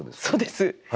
そうです。